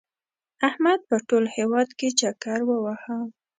احمد په ټول هېواد کې چکر ووهه.